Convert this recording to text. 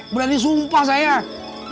berarti sumpah sayang